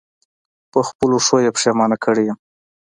په خپلو ښو یې پښېمانه کړی یم.